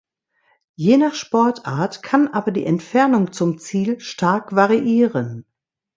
Je nach Sportart kann aber die Entfernung zum Ziel stark variieren.